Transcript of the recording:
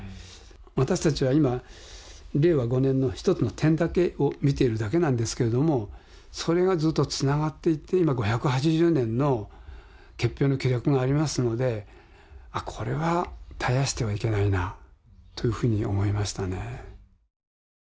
私たちは今令和５年の一つの点だけを見ているだけなんですけれどもそれがずっとつながっていって今５８０年の結氷の記録がありますのでこれは絶やしてはいけないなというふうに思いましたね。